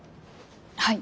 はい。